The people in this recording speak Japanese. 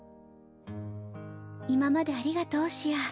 今までありがとうシア。